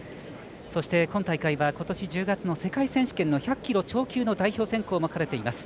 そして今大会はことし１０月の世界選手権の１００キロ超級の代表選考も兼ねています。